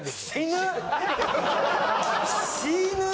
死ぬ！